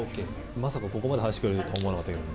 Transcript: まさかここまで話してくれると思わなかった。